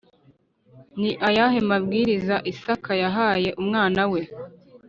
Ni ayahe mabwiriza isaka yahaye umwana we